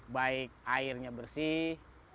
baik airnya bersih